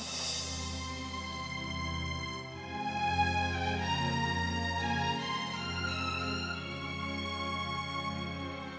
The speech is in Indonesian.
karena dia itu nunggak beberapa bulan